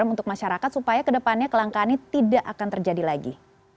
untuk masyarakat supaya kedepannya kelangkaannya tidak akan terjadi lagi